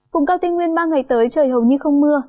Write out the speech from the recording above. vùng cao tinh nguyên ba ngày tới trời hầu như không mưa